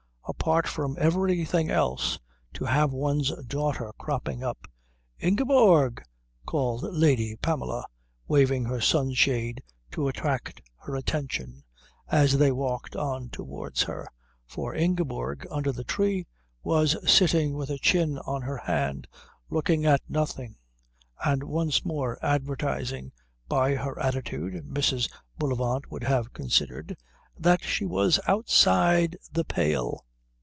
Apart from everything else, to have one's daughter cropping up.... "Ingeborg !" called Lady Pamela, waving her sunshade to attract her attention as they walked on towards her, for Ingeborg, under the tree, was sitting with her chin on her hand looking at nothing and once more advertising by her attitude, Mrs. Bullivant would have considered, that she was outside the pale.